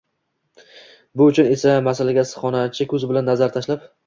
Bu uchun esa masalaga issiqxonachi ko‘zi bilan nazar tashlab